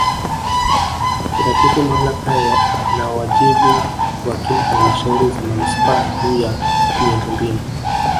Kuratibu Mamlaka na wajibu wa kila Halmashauri za Manispaa juu ya miundombinu